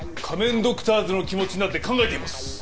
ドクターズの気持ちになって考えています